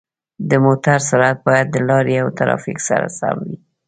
د موټر سرعت باید د لارې او ترافیک سره سم وي.